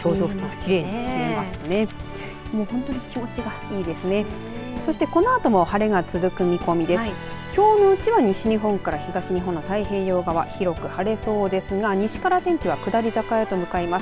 きょうのうちは西日本から東日本の太平洋側広く晴れそうですが西から天気は下り坂へと向かいます。